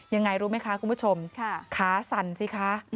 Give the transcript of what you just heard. ยังไงรู้ไหมคะคุณผู้ชมขาสั่นสิคะ